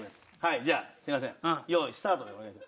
じゃあすいません「用意スタート」でお願いします。